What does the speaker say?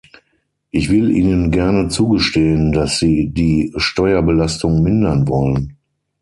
Ich will Ihnen gerne zugestehen, dass Sie die Steuerbelastung mindern wollen.